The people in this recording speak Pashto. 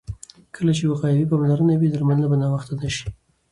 کله چې وقایوي پاملرنه وي، درملنه به ناوخته نه شي.